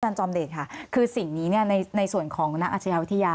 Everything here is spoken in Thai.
อาจารย์จอมเดชค่ะคือสิ่งนี้ในส่วนของนักอาชีวิทยาวิทยา